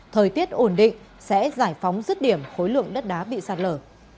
thời tiết ổn định sẽ giải phóng rứt điểm khối lượng đất đá bị sạt lở